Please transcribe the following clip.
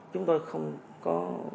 chúng tôi không có